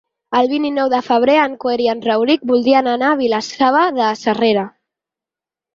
El vint-i-nou de febrer en Quer i en Rauric voldrien anar a Vilalba Sasserra.